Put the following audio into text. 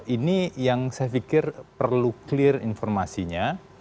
ini yang saya pikir perlu clear informasinya